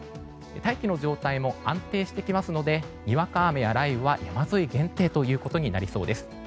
大気の状態も安定してきますのでにわか雨や雷雨は山沿い限定となりそうです。